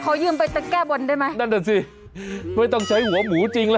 ยืมไปแก้บนได้ไหมนั่นน่ะสิไม่ต้องใช้หัวหมูจริงแล้ว